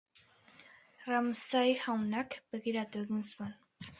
Ramsay jaunak begiratu egin zien.